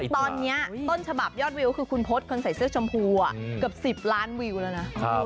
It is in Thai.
ตอนนี้ต้นฉบับยอดวิวคือคุณพศคนใส่เสื้อชมพูเกือบ๑๐ล้านวิวแล้วนะ